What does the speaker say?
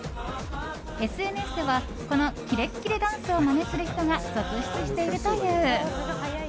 ＳＮＳではこのキレキレダンスをまねする人が続出しているという。